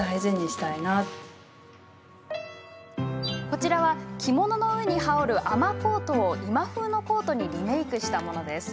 こちらは、着物の上に羽織る雨コートを今風のコートにリメークしたものです。